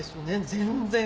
全然。